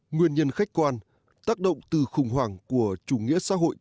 nguyên nhân khách quan tác động từ khủng hoảng của chủ nghĩa xã hội